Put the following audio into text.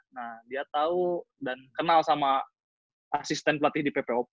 nah dia tahu dan kenal sama asisten pelatih di ppop